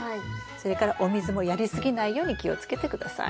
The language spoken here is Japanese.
それからお水もやり過ぎないように気をつけて下さい。